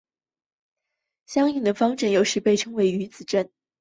相应的方阵有时被称为余子阵。